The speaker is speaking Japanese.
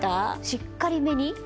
しっかりめに？